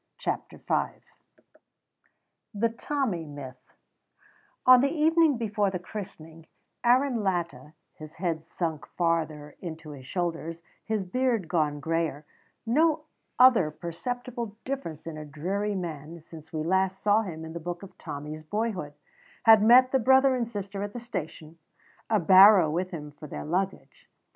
CHAPTER V THE TOMMY MYTH On the evening before the christening, Aaron Latta, his head sunk farther into his shoulders, his beard gone grayer, no other perceptible difference in a dreary man since we last saw him in the book of Tommy's boyhood, had met the brother and sister at the station, a barrow with him for their luggage.